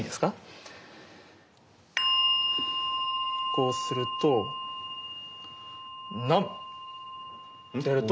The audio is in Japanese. こうすると南無！